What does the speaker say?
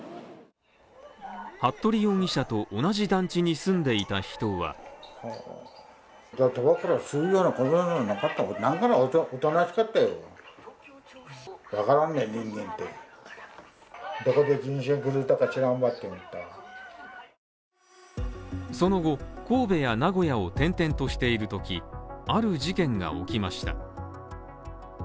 服部容疑者と同じ団地に住んでいた人はその後、神戸や名古屋を転々としているとき、ある事件が起きました。